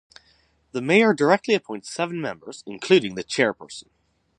The Mayor directly appoints seven members, including the Chairperson.